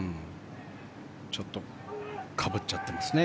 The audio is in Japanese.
ちょっとかぶっちゃってますね。